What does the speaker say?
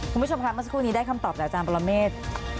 คุณผู้ชมค่ะเมื่อสักครู่นี้ได้คำตอบจากอาจารย์ปรเมฆ